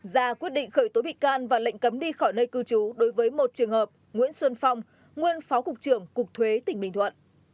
ra quyết định khởi tố bị can và lệnh cấm đi khỏi nơi cư trú đối với một trường hợp nguyễn xuân phong nguyên phó cục trưởng cục thuế tỉnh bình thuận